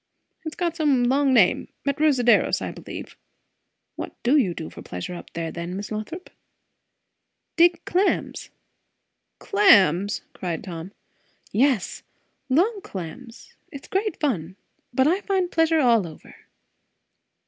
"It's got some long name Metrosideros, I believe. What do you do for pleasure up there then, Miss Lothrop?" "Dig clams." "Clams!" cried Tom. "Yes. Long clams. It's great fun. But I find pleasure all over."